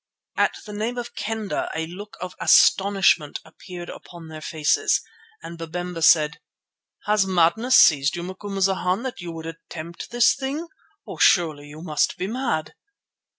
At the name of Kendah a look of astonishment appeared upon their faces and Babemba said: "Has madness seized you, Macumazana, that you would attempt this thing? Oh surely you must be mad."